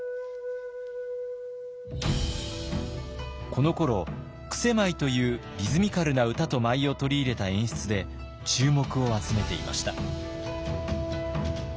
このころ曲舞というリズミカルな歌と舞を取り入れた演出で注目を集めていました。